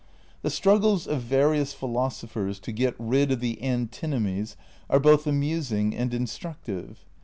The struggles of various philosophers to get rid of the antinomies are both amusing and instructive.